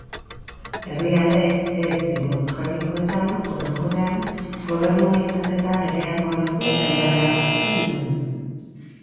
Herrialde ez-demokratikoetan, orokorrean, gobernua izaten da legeak onartu eta indarrean jartzen dituena.